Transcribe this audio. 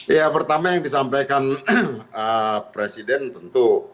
ya pertama yang disampaikan presiden tentu